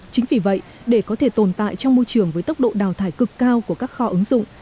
chính vì vậy để có thể tồn tại trong môi trường với tốc độ đào thải cực cao của các kho ứng dụng